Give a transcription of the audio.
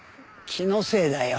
気のせいだよ。